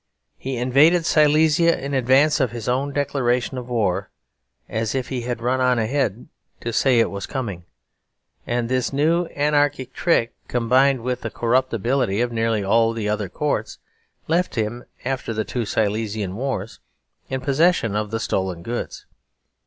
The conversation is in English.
He invaded Silesia in advance of his own declaration of war (as if he had run on ahead to say it was coming) and this new anarchic trick, combined with the corruptibility of nearly all the other courts, left him after the two Silesian wars in possession of the stolen goods.